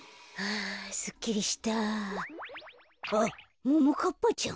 あっももかっぱちゃん。